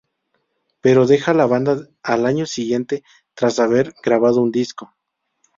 Pero deja la banda al año siguiente tras haber grabado un disco.